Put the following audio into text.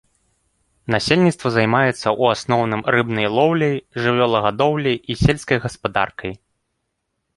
Насельніцтва займаецца ў асноўным рыбнай лоўляй, жывёлагадоўляй і сельскай гаспадаркай.